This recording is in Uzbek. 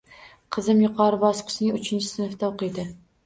Qizim yuqori bosqichning uchinchi sinfida o`qiydi